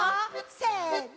せの。